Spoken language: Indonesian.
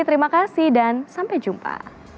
terima kasih dan sampai jumpa